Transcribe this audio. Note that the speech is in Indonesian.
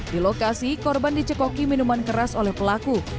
di lokasi korban dicekoki minuman keras oleh pelaku